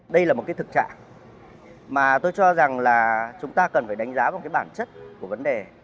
đây là một cái thực trạng mà tôi cho rằng là chúng ta cần phải đánh giá vào cái bản chất của vấn đề